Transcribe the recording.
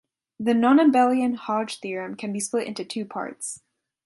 The nonabelian Hodge theorem can be split into two parts.